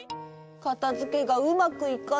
かたづけがうまくいかなくて。